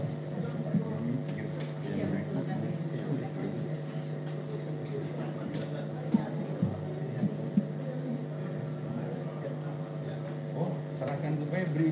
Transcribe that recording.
oh serahkan tupanya beri ini